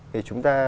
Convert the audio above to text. thì chúng ta